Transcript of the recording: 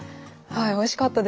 はいおいしかったです。